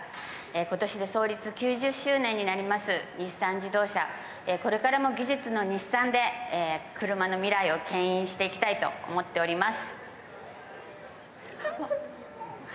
ことしで創立９０周年になります日産自動車、これからも技術の日産で車の未来をけん引していきたいと思っております。